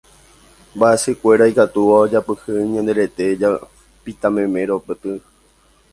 mba'asykuéra ikatúva ojapyhy ñande rete japitamemérõ petỹ